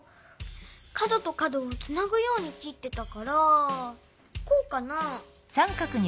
かどとかどをつなぐようにきってたからこうかな？